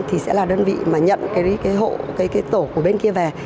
thì sẽ là đơn vị mà nhận cái tổ của bên kia về